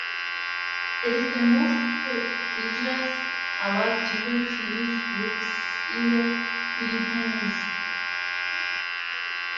It is the most prestigious award given to youth groups in the Philippines.